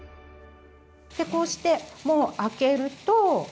こうして、もう開けると。